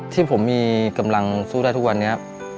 ที่ผมมีกำลังสู้ได้ทุกวันนี้